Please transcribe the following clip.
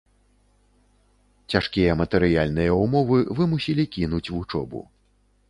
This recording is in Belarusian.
Цяжкія матэрыяльныя ўмовы вымусілі кінуць вучобу.